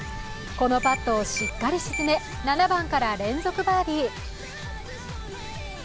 このパットをしっかり沈め、７番から連続バーディー。